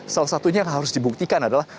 salah satunya yang harus dibuktikan adalah